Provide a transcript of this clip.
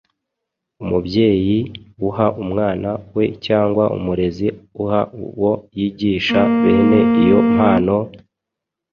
Umubyeyi uha umwana we cyangwa umurezi uha uwo yigisha bene iyo mpano,